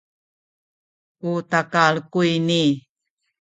u takal kuyni